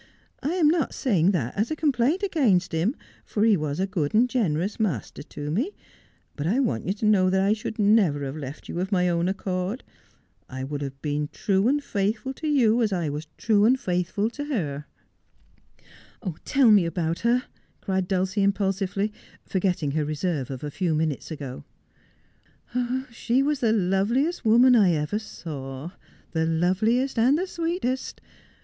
' I am not saying that as a complaint against him, for he was a good and generous master to me, but I want you to know that I should never have left you of my own accord. I would have been true and faithful to you as I was true and faithful to her.' ' Tell me about her,' cried Dulcie impulsively, forgetting her reserve of a few minutes ago. ' She was the loveliest woman I ever saw — the loveliest and the sweetest.